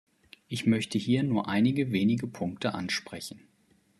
Ich möchte hier nur einige wenige Punkte ansprechen.